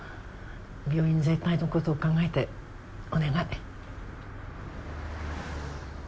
病院全体の事を考えてお願い。